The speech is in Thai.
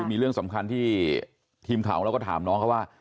มีเรื่องสำคัญที่ทีมข่าวเราก็ถามน้องเขาว่า